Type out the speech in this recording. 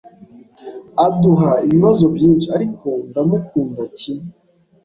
Aduha ibibazo byinshi, ariko ndamukunda kimwe.